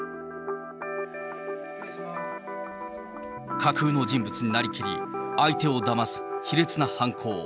架空の人物になりきり、相手をだます卑劣な犯行。